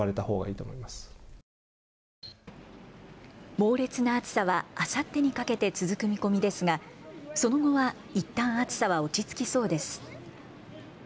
猛烈な暑さはあさってにかけて続く見込みですがその後はいったん暑さは落ち着きそうです。